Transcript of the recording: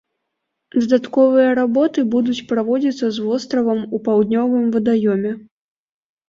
Дадатковыя работы будуць праводзіцца з востравам у паўднёвым вадаёме.